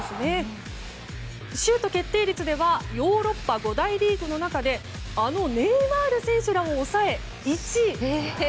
シュート決定率ではヨーロッパ５大リーグの中であのネイマール選手らを抑え１位。